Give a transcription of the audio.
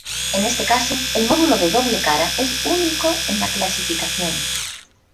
En este caso, el módulo de doble cara es único en la clasificación.